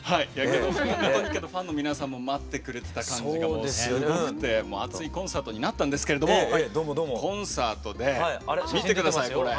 ファンの皆さんも待ってくれてた感じがすごくて熱いコンサートになったんですけれどもコンサートで見て下さいこれ。